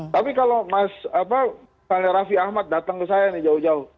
tapi kalau mas raffi ahmad datang ke saya nih jauh jauh